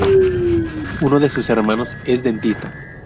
Uno de sus hermanos es dentista.